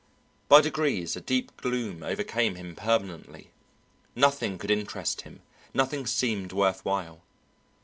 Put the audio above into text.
By degrees a deep gloom overcame him permanently, nothing could interest him, nothing seemed worth while.